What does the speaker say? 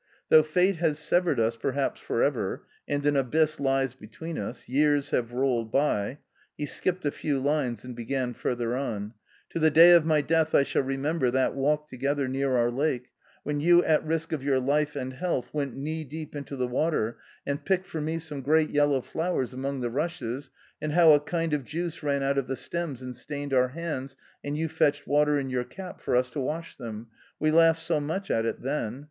>" Though fate has severed us, perhaps, for ever, and an ; abyss lies between us ; years have rolled by " He skipped a few lines and began further on : "To the day of my death I shall remember that walk together near our lake, when you, at risk of your life and health, went knee deep into the water and picked for me some great yellow flowers among the rushes, and how a kind • of juice ran out of the stems and stained our hands and ' you fetched water in your cap for us to wash them; we 1 laughed so much at it then.